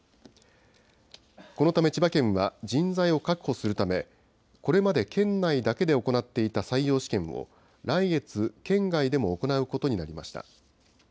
このため千葉県は人材を確保するため、これまで県内だけで行っていた採用試験を、来月、県外でも行うことになりました。